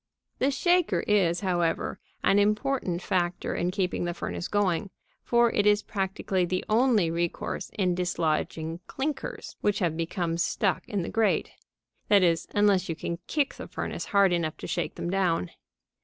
The shaker is, however, an important factor in keeping the furnace going, for it is practically the only recourse in dislodging clinkers which have become stuck in the grate that is, unless you can kick the furnace hard enough to shake them down.